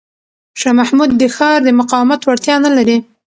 شاه محمود د ښار د مقاومت وړتیا نه لري.